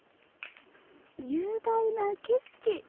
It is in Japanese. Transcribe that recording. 雄大な景色。